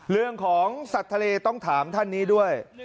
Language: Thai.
เรื่องของสัตว์ทะเลต้องถามท่านนี้ด้วย